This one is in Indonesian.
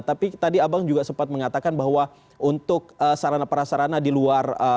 tapi tadi abang juga sempat mengatakan bahwa untuk sarana perasarana di luar